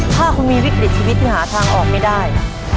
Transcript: ถ้าคุณมีวิกฤตชีวิตที่หาทางออกไม่ได้